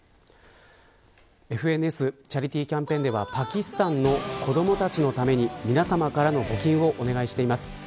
ＦＮＳチャリティキャンペーンではパキスタンの子どもたちのために皆さまからの募金をお願いしています。